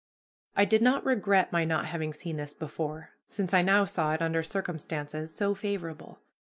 I did not regret my not having seen this before, since I now saw it under circumstances so favorable.